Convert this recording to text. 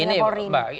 ya sekarang begini mbak